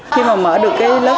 khi mà mở được cái lớp